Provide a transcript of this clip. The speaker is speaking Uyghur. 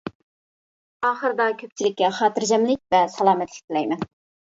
ئاخىردا كۆپچىلىككە خاتىرجەملىك ۋە سالامەتلىك تىلەيمەن.